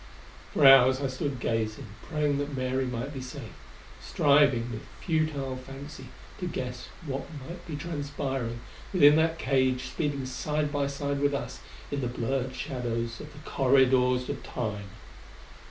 For hours I stood gazing, praying that Mary might be safe, striving with futile fancy to guess what might be transpiring within that cage speeding side by side with us in the blurred shadows of the corridors of Time.